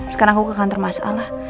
sekarang aku ke kantor masalah